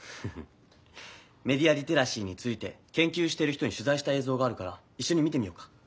ふふんメディア・リテラシーについて研究している人に取ざいした映像があるからいっしょに見てみようか。